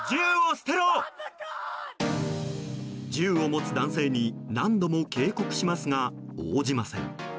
銃を持つ男性に何度も警告しますが応じません。